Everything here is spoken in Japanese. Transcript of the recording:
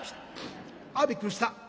「ああびっくりした。